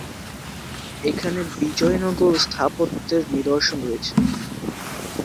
এখানে বিজয়নগর স্থাপত্যের নিদর্শন রয়েছে।